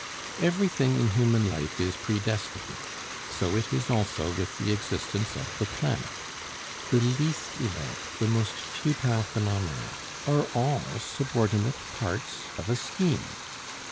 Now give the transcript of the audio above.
Everything in human life is predestined, so it is also with the existence of the planet. The least event, the most futile phenomena, are all subordinate parts of a scheme.